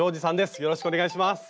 よろしくお願いします。